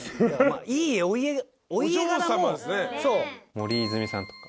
森泉さんとか。